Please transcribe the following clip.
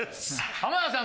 浜田さん